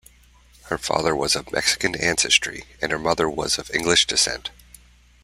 Her father was of Mexican ancestry, and her mother was of English descent.